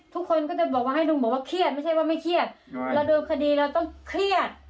ทุกคนก็จะบอกว่าให้ลุงบอกว่าเครียดไม่ใช่ว่าไม่เครียดเราโดนคดีเราต้องเครียด